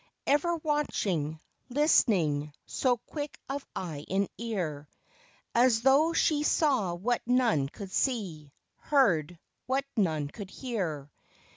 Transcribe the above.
Ever watching, listening, So quick of eye and ear, — 66 FAIRY FARE. 67 As though she saw what none could see ; Heard, what none could hear.